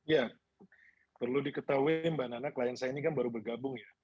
ya perlu diketahui mbak nana klien saya ini kan baru bergabung ya